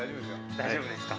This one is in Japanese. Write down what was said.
大丈夫ですか？